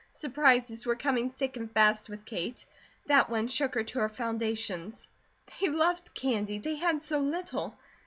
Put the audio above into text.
Surprises were coming thick and fast with Kate. That one shook her to her foundations. They loved candy. They had so little!